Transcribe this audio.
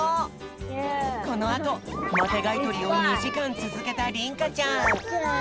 このあとマテがいとりを２じかんつづけたりんかちゃん。